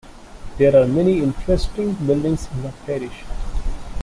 There are many interesting buildings in the parish.